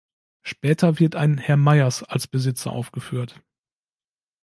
Später wird ein Herr Meyers als Besitzer aufgeführt.